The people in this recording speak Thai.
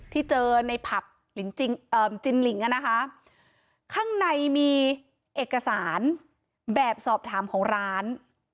ที่เจอในผับจินลิงอ่ะนะคะข้างในมีเอกสารแบบสอบถามของร้าน